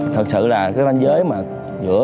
thật sự là chúng tôi không thể cứu được nạn nhân